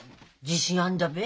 自信あんだべ？